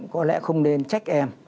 có lẽ không nên trách em